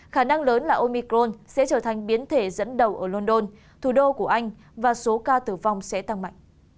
khả năng lớn là omicron sẽ trở thành biến thể dẫn đầu ở london thủ đô của anh và số ca tử vong sẽ tăng mạnh